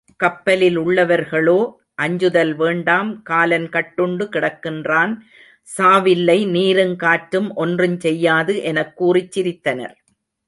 கப்பலிலுள்ளவர்களோ அஞ்சுதல் வேண்டாம் காலன் கட்டுண்டு கிடக்கின்றான் சாவில்லை நீருங் காற்றும் ஒன்றுஞ் செய்யாது எனக் கூறிச் சிரித்தனர்.